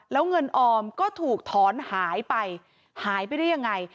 แล้วเงินออมก็ถูกถอนหายไปหายไปได้ยังไง